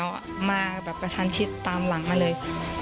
เห็นเราวิ่งแล้วมาแบบกระชันชิดตามหลังมาเลย